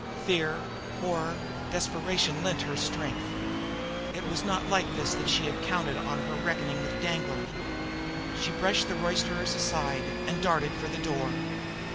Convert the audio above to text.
Fear, horror, desperation, lent her strength. It was not like this that she had counted on her reckoning with Danglar! She brushed the roisterers aside, and darted for the door.